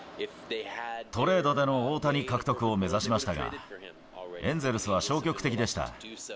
トレードでの大谷獲得を目指しましたが、エンゼルスは消極的でした。